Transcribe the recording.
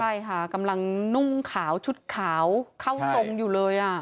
ใช่ค่ะกำลังนุ่งขาวชุดขาวเข้าทรงอยู่เลย